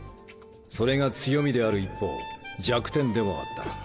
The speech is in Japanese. それが強みである一方弱点でもあった。